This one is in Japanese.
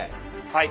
はい。